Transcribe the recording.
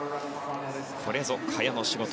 これぞ萱の仕事。